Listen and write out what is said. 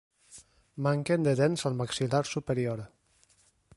Manquen de dents al maxil·lar superior.